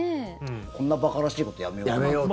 こんな馬鹿らしいことやめようかなって。